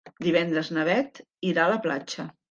Divendres na Bet irà a la platja.